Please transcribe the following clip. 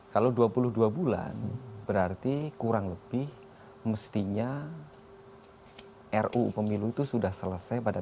kalau dua puluh dua bulan berarti kurang lebih mestinya ruu pemilu itu sudah selesai pada